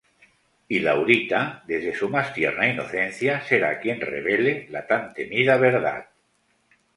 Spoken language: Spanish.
Y Laurita, desde su más tierna inocencia, será quien revele la tan temida verdad.